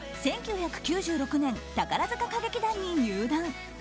１９９６年、宝塚歌劇団に入団。